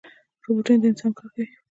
روبوټونه د انسان کار کوي